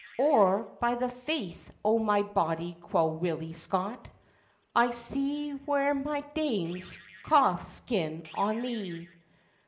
Or, by the faith o' my body," quo' Willie Scott, "I se ware my dame's cauf's skin on thee!"